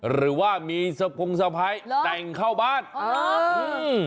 หรือว่ามีสภงสภัยหรอแต่งเข้าบ้านหรออืม